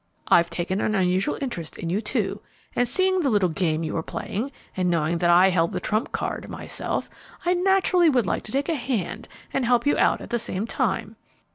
I've taken an unusual interest in you, too; and, seeing the little game you were playing, and knowing that I held the trump card myself, I naturally would like to take a hand and help you out at the same time.